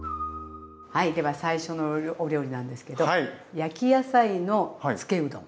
では最初のお料理なんですけど焼き野菜のつけうどん。